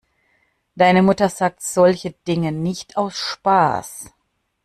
Deine Mutter sagt solche Dinge nicht aus Spaß.